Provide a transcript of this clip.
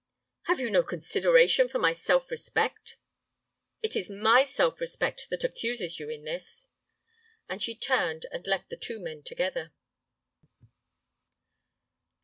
"Have you no consideration for my self respect?" "It is my self respect that accuses you in this." And she turned and left the two men together.